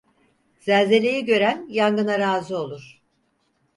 Zelzeleyi gören yangına razı olur.